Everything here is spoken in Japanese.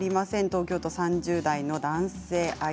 東京都３０代の男性。